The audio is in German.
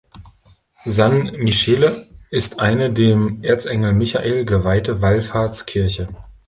San Michele ist eine dem Erzengel Michael geweihte Wallfahrtskirche.